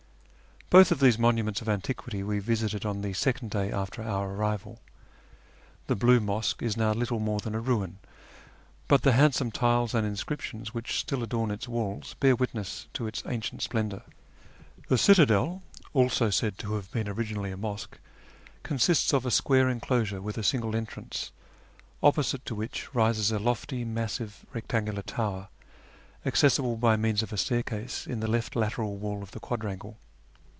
Both of these monuments of antiquity we visited on the second day after our arrival. The Blue Mosque is now little more than a ruin, but the handsome tiles and inscriptions which still adorn its walls bear witness to its ancient splendour. 58 A YEAR AMONGST THE PERSIANS The citadel (also said to have been originally a mosque) consists of a square enclosure with a sinf^le entrance, o])posite to M^hich rises a lol'ty, massive rectangular tower, accessible by means of a staircase in tlie left lateral wall of the quadrangle.